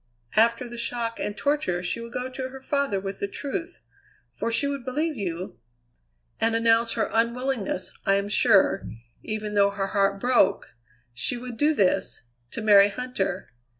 After the shock and torture she would go to her father with the truth for she would believe you and announce her unwillingness I am sure, even though her heart broke, she would do this to marry Huntter.